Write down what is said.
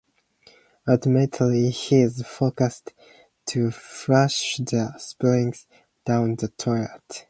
Ultimately, he is forced to flush the springs down the toilet.